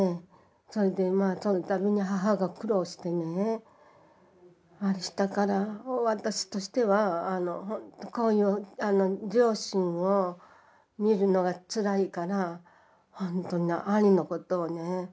それでそのたびに母が苦労してねあれしたから私としてはこういう両親を見るのがつらいからほんとに兄のことをね